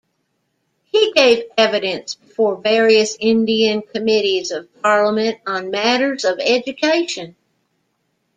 He gave evidence before various Indian committees of parliament on matters of education.